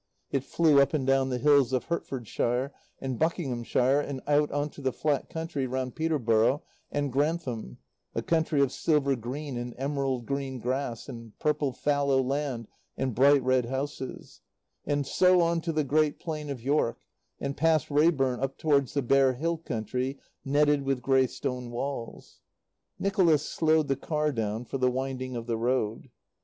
It flew up and down the hills of Hertfordshire and Buckinghamshire and out on to the flat country round Peterborough and Grantham, a country of silver green and emerald green grass and purple fallow land and bright red houses; and so on to the great plain of York, and past Reyburn up towards the bare hill country netted with grey stone walls. Nicholas slowed the car down for the winding of the road.